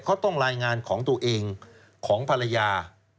เขาต้องรายงานของตัวเองของภรรยา